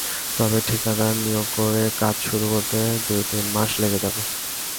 তবে ঠিকাদার নিয়োগ করে কাজ শুরু করতে দুই-তিন মাস লেগে যাবে।